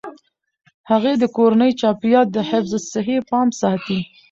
هغې د کورني چاپیریال د حفظ الصحې پام ساتي.